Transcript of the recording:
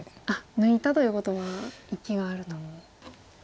抜いたということは生きがあると。